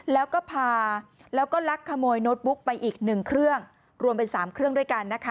แล้วก็พาแล้วก็ลักขโมยโน้ตบุ๊กไปอีกหนึ่งเครื่องรวมเป็น๓เครื่องด้วยกันนะคะ